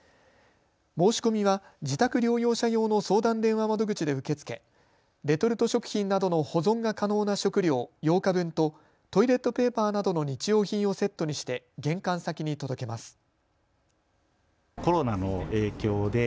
申し込みは自宅療養者用の相談電話窓口で受け付けレトルト食品などの保存が可能な食料８日分とトイレットペーパーなどの日用品をセットにして玄関先に届けます。